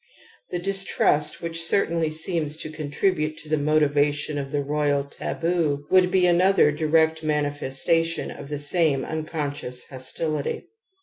The dis trust which certainly seems to contribute to the motivation of the royal taboo, would be another direct manifestation of the same unconscious hostility.